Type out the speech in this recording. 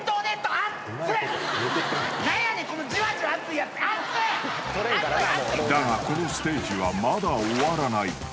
［だがこのステージはまだ終わらない］